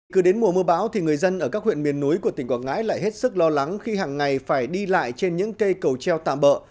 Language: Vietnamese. cứ đến mùa mưa bão thì người dân ở các huyện miền núi của tỉnh quảng ngãi lại hết sức lo lắng khi hàng ngày phải đi lại trên những cây cầu treo tạm bợ